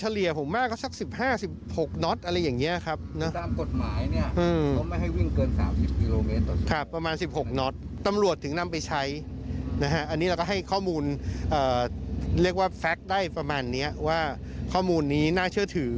เรียกว่าแฟคได้ประมาณนี้ว่าข้อมูลนี้น่าเชื่อถือ